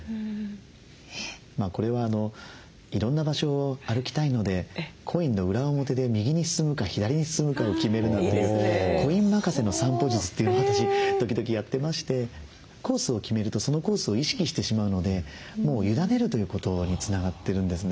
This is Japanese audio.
これはいろんな場所を歩きたいのでコインの裏表で右に進むか左に進むかを決めるなんていうコイン任せの散歩術というのを私時々やってましてコースを決めるとそのコースを意識してしまうのでもう委ねるということにつながってるんですね。